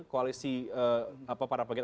koalisi para paget